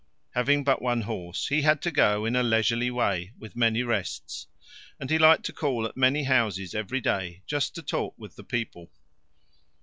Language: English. Having but one horse, he had to go in a leisurely way with many rests, and he liked to call at many houses every day just to talk with the people.